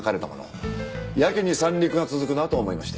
やけに三陸が続くなと思いまして。